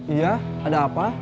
iya ada apa